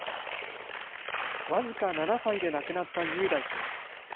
僅か７歳で亡くなった雄大君。